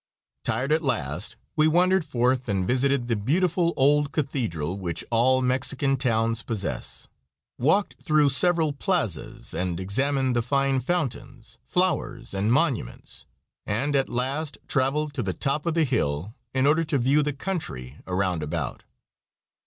Tired at last, we wandered forth and visited the beautiful old cathedral which all Mexican towns possess, walked through several plazas and examined the fine fountains, flowers and monuments, and at last traveled to the top of the hill in order to view the country around about.